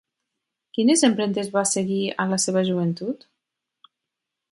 Quines empremtes va seguir a la seva joventut?